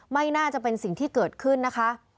ไม่น่าจะเป็นสิ่งที่เกิดขึ้นนะคะ